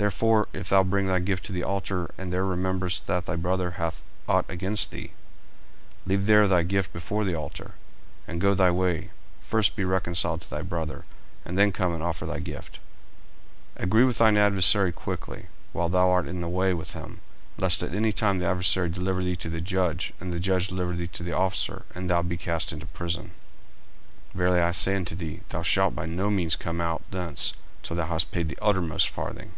40:005:023 Therefore if thou bring thy gift to the altar, and there rememberest that thy brother hath ought against thee; 40:005:024 Leave there thy gift before the altar, and go thy way; first be reconciled to thy brother, and then come and offer thy gift. 40:005:025 Agree with thine adversary quickly, whiles thou art in the way with him; lest at any time the adversary deliver thee to the judge, and the judge deliver thee to the officer, and thou be cast into prison. 40:005:026 Verily I say unto thee, Thou shalt by no means come out thence, till thou hast paid the uttermost farthing.